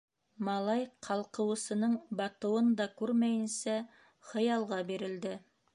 Малай ҡалҡыуысының батыуын да күрмәйенсә, хыялға бирелде.